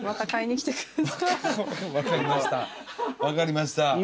分かりました。